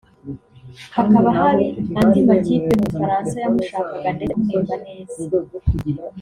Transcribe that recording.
hakaba hari andi makipe mu Bufaransa yamushakaga ndetse amuhemba neza